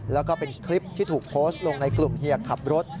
แล้วก็เป็นคลิปที่ถูกโพสต์ลงในกลุ่มเฮียขับรถ